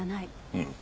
うん。